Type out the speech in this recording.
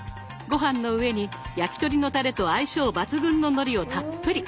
ごはんの上に焼き鳥のたれと相性抜群ののりをたっぷり。